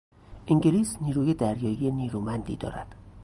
انگلیس نیروی دریایی نیرومندی دارد.